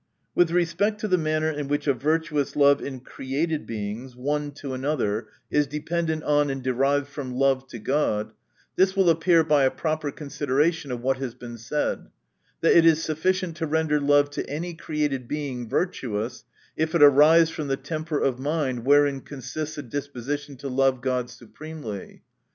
] With respect to the manner in which a virtuous love in created Beings, one to another, is dependent on, and derived from love to God, this will appear by a proper consideration of what has been said ; that it is sufficient to render love to any created Being virtuous, if it arise from the tempei of mind wherein con sists a disposition to love God supremely.